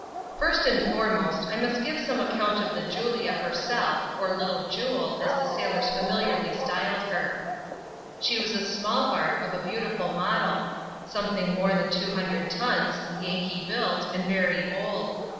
First and foremost, I must give some account of the Julia herself, or " Little Jule," as the sailors femiliarly styled her. She was a small barque of a beautiful model, something more than two hundred tons, Yankee built, and very old.